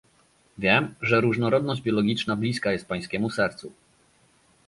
Wiem, że różnorodność biologiczna bliska jest pańskiemu sercu